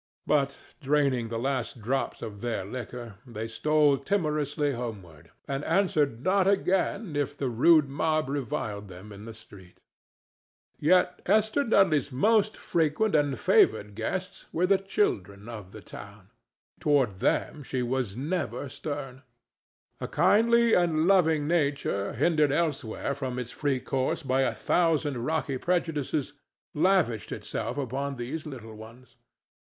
But, draining the last drops of their liquor, they stole timorously homeward, and answered not again if the rude mob reviled them in the street. Yet Esther Dudley's most frequent and favored guests were the children of the town. Toward them she was never stern. A kindly and loving nature hindered elsewhere from its free course by a thousand rocky prejudices lavished itself upon these little ones.